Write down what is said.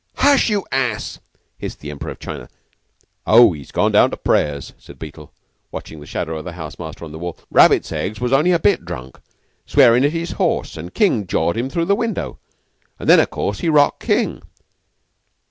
"Hush, you ass!" hissed the Emperor of China. "Oh, he's gone down to prayers," said Beetle, watching the shadow of the house master on the wall. "Rabbits Eggs was only a bit drunk, swearin' at his horse, and King jawed him through the window, and then, of course, he rocked King."